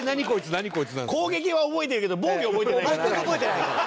攻撃は覚えてるけど防御覚えてないから。